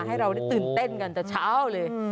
ให้เราได้ตื่นเต้นกันแต่เช้าเลย